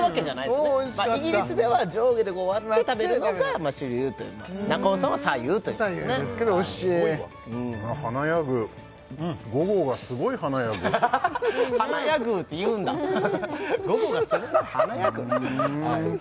すごいおいしかったイギリスでは上下で割って食べるのが主流という中尾さんは左右と左右ですけどおいしい華やぐ午後がすごい華やぐ華やぐって言うんだ「午後が華やぐ」